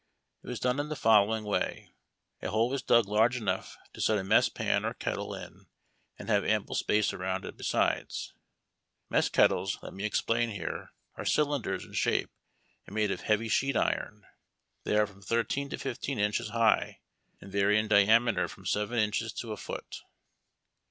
It was done in the following way : A hole was dug large enough to set a mess pan or kettle in, and have ample space around it besides. Mess kettles, let me explain here, are cylinders in shape, and made of heavy sheet iron. They are from thirteen to fifteen inches high, and vary in diameter from seven inches to a foot.